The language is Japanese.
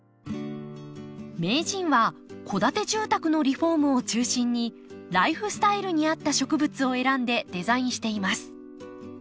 名人は戸建て住宅のリフォームを中心にライフスタイルに合った植物を選んでデザインしています。